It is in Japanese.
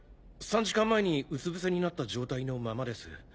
３時間前にうつぶせになった状態のままです。